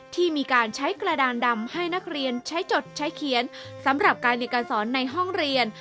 ที่มีการใช้กระดานดำให้นักเรียนใช้จดใช้เขียนสำหรับการเรียนการสอนในห้องเรียน